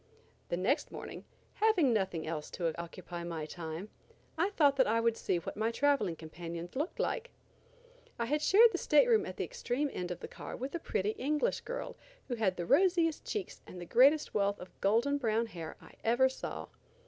The next morning, having nothing else to occupy my time, I thought that I would see what my traveling companions looked like. I had shared the stateroom at the extreme end of the car with a pretty English girl who had the rosiest cheeks and the greatest wealth of golden brown hair I ever saw.